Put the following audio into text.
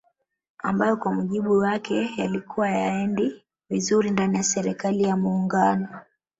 Ambayo kwa mujibu wake yalikuwa hayaendi vizuri ndani ya serikali ya Muungano